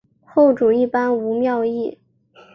后主一般无庙谥。